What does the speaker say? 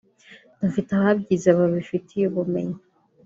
dufite ababyize babifitiye ubumenyi